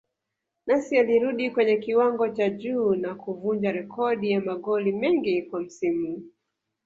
Messi alirudi kwenye kiwango cha juu na kuvunja rekodi ya magoli mengi kwa msimu